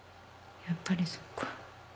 やっぱりそうか。